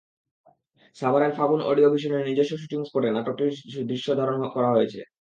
সাভারের ফাগুন অডিও ভিশনের নিজস্ব শুটিং স্পটে নাটকটির দৃশ্য ধারণ করা হয়েছে।